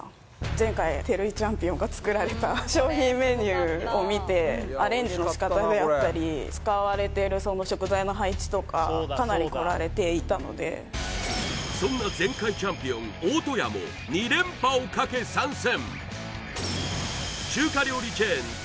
前回照井チャンピオンが作られた商品メニューを見てアレンジの仕方であったり使われてるその食材の配置とかそんな前回チャンピオン大戸屋も２連覇をかけ参戦